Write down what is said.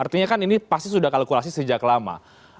artinya kan ini pasti sudah kalkulasi sejak lama